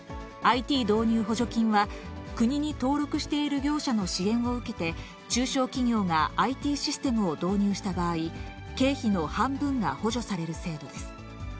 ＩＴ導入補助金は国に登録している業者の支援を受けて、中小企業がＩＴシステムを導入した場合、経費の半分が補助される制度です。